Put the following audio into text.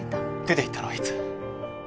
出て行ったのはいつ？